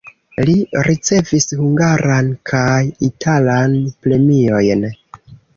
Li ricevis hungaran kaj italan premiojn.